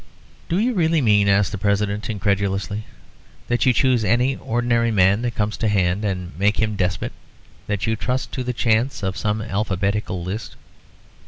"Do you really mean," asked the President, incredulously, "that you choose any ordinary man that comes to hand and make him despot that you trust to the chance of some alphabetical list...."